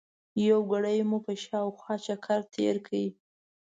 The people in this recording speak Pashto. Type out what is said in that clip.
یوه ګړۍ مو په شاوخوا چکر تېره کړه.